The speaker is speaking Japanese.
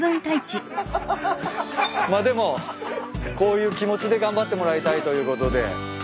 まあでもこういう気持ちで頑張ってもらいたいということで。